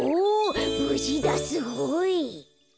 ぶじだすごい。